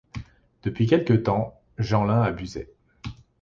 Depuis quelque temps, Jeanlin abusait.